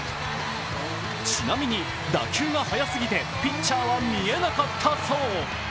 ちなみに打球が速すぎてピッチャーは見えなかったそう。